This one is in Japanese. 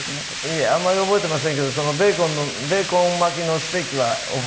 いえあまり覚えてませんけどそのベーコンのベーコン巻きのステーキは覚えてます。